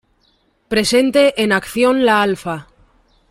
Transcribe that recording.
Presente en Acción la Alfa.